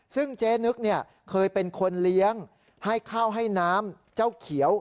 ซึ่งเจ๊นึกเนี่ยเคยเป็นคนเลี้ยงให้ข้าวให้น้ำเจ้าเขียว